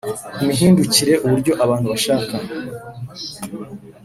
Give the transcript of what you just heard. imihindukire uburyo abantu bashaka